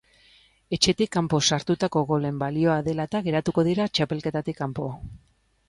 Etxetik kanpo sartutako golen balioa dela eta geratu dira txapelketatik kanpo.